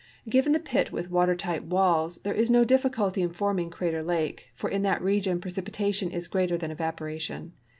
Given the pit with water tight walls, there is no difficulty in forming Crater lake, for in that region precipitation is greater than evaporation.